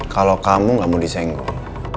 kalau kamu gak mau disenggol